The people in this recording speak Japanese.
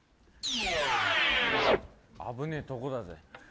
あぶねえとこだぜ。